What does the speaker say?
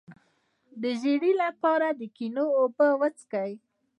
د ژیړي لپاره د ګنیو اوبه وڅښئ